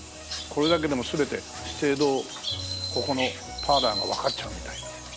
これだけでもう全て資生堂ここのパーラーがわかっちゃうみたいな。